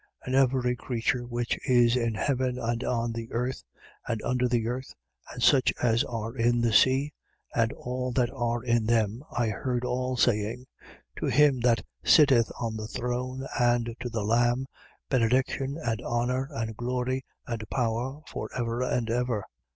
5:13. And every creature which is in heaven and on the earth and under the earth, and such as are in the sea, and all that are in them, I heard all saying: To him that sitteth on the throne and to the Lamb, benediction and honour and glory and power, for ever and ever.